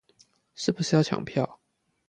是不是要搶票